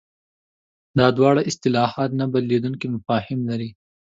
دا دواړه اصطلاحات نه بېلېدونکي مفاهیم لري.